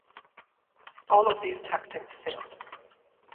All of these tactics failed.